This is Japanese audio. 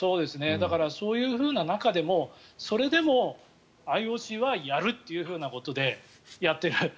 だから、そういう中でもそれでもＩＯＣはやるということでやっている。